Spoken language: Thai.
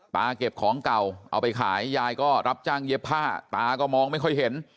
เก็บของเก่าเอาไปขายยายก็รับจ้างเย็บผ้าตาก็มองไม่ค่อยเห็น